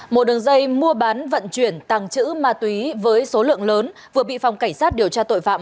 một đường dây mua bán vận chuyển tàng trữ ma túy với số lượng lớn vừa bị phòng cảnh sát điều tra tội phạm